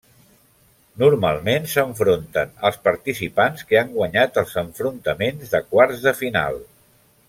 Normalment s'enfronten els participants que han guanyat els enfrontaments de quarts de final.